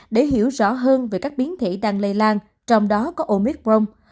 để hiểu rõ hơn về các biến thể đang lây lan trong đó có omicron